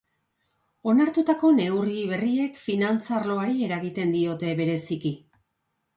Onartutako neurri berriek finantza arloari eragiten diote bereziki.